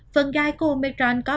phần gai của omicron có